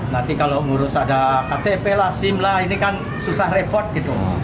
nanti kalau ngurus ada ktp lah sim lah ini kan susah repot gitu